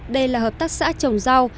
đây là hợp tác xã trồng rau